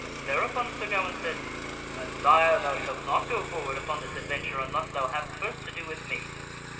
Thereupon Sir Gawaine said, " Messire, thou shalt not go forward upon this adventure unless thou hast first to do with me."